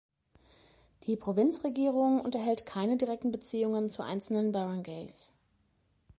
Die Provinzregierung unterhält keine direkten Beziehungen zu einzelnen Barangays.